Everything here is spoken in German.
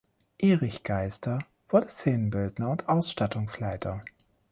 Erich Geister wurde Szenenbildner und Ausstattungsleiter.